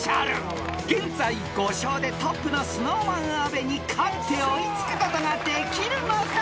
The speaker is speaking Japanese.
［現在５勝でトップのＳｎｏｗＭａｎ阿部に勝って追いつくことができるのか？